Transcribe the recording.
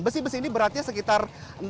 besi besi ini beratnya sekitar